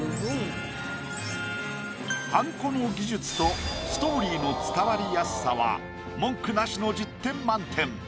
はんこの技術とストーリーの伝わりやすさは文句なしの１０点満点。